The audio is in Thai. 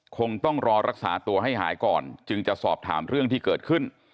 คงต้องรอรักษาตัวให้หายก่อนจึงจะสอบถามเรื่องที่เกิดขึ้น